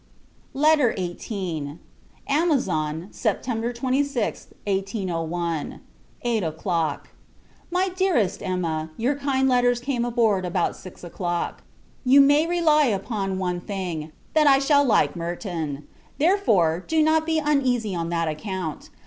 LETTER XVIII. Amazon, September 26, 1801. Eight o'Clock. MY DEAREST EMMA, Your kind letters came on board about six o'clock. You may rely upon one thing, that I shall like Merton; therefore, do not be uneasy on that account.